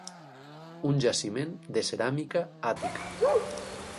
Un jaciment de ceràmica àtica.